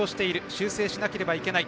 修正しなければいけない。